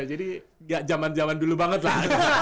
jadi jaman jaman dulu banget lah